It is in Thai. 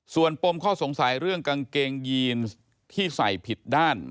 ส่วนปมข้อสงสัยเรื่องกางเกงยีนที่ใส่ผิดด้าน